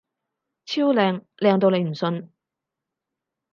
超靚！靚到你唔信！